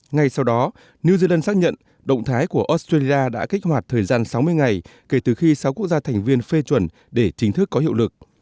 ngay sau đó new zealand xác nhận động thái của australia đã kích hoạt thời gian sáu mươi ngày kể từ khi sáu quốc gia thành viên phê chuẩn để chính thức có hiệu lực